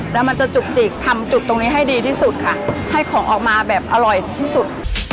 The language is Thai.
แล้วมันจะจุกจิกทำจุดตรงนี้ให้ดีที่สุดค่ะให้ของออกมาแบบอร่อยที่สุด